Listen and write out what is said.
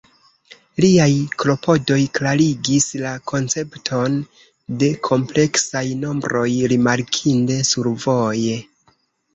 Liaj klopodoj klarigis la koncepton de kompleksaj nombroj rimarkinde survoje.